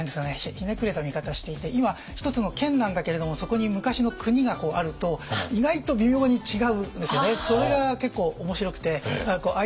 ひねくれた見方していて今一つの県なんだけれどもそこに昔の国があると意外と微妙に違うんですよね。